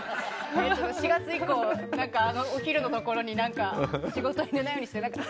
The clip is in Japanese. ４月以降あんまりお昼のところに仕事を入れないようにしてたりして。